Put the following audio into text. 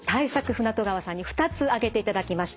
船渡川さんに２つ挙げていただきました。